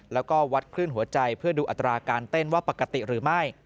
แล้วก็วัดคลื่นหัวใจเพื่อดูอัตราการเต้นว่าปกติหรือไม่